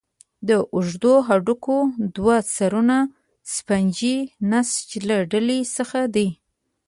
د اوږدو هډوکو دوه سرونه د سفنجي نسج له ډلې څخه دي.